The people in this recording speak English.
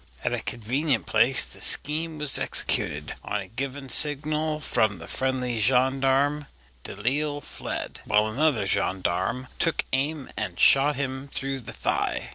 At a convenient place the scheme was executed. On a given signal from the friendly gendarme, Delisle fled, while another gendarme took aim and shot him through the thigh.